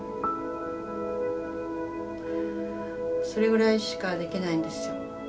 それぐらいしかできないんですよ。